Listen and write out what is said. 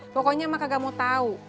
pokoknya mak kagak mau tau